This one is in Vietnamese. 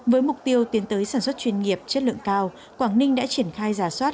với mục tiêu tiến tới sản xuất chuyên nghiệp chất lượng cao quảng ninh đã triển khai giả soát